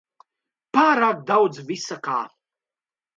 Pārāk daudz visa kā.